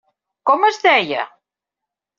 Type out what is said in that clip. Com es deia?